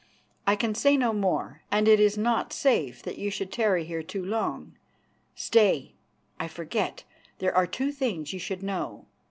I can say no more, and it is not safe that you should tarry here too long. Stay, I forget. There are two things you should know.